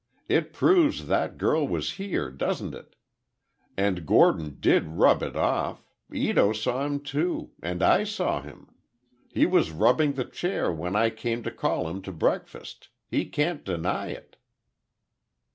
It proves that girl was here—doesn't it? And Gordon did rub it off—Ito saw him too, and I saw him. He was rubbing the chair when I came to call him to breakfast—he can't deny it!"